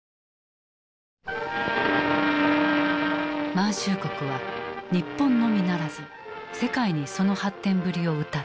満州国は日本のみならず世界にその発展ぶりをうたった。